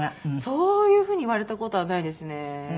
そういう風に言われた事はないですね。